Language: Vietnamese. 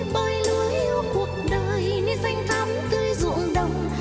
bởi lúa yêu cuộc đời nên xanh thấm tươi ruộng đông